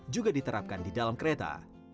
juga diterapkan di dalam kereta